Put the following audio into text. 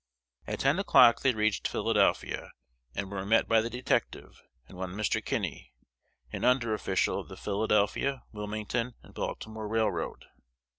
At ten o'clock they reached Philadelphia, and were met by the detective, and one Mr. Kinney, an under official of the Philadelphia, Wilmington, and Baltimore Railroad.